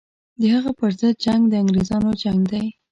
د هغه پر ضد جنګ د انګرېزانو جنګ دی.